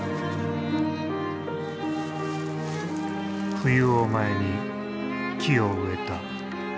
冬を前に木を植えた。